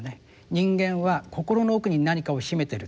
人間は心の奥に何かを秘めてる。